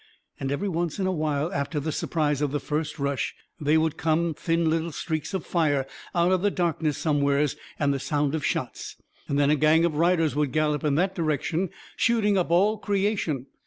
And every once in a while, after the surprise of the first rush, they would come thin little streaks of fire out of the darkness somewheres, and the sound of shots. And then a gang of riders would gallop in that direction shooting up all creation.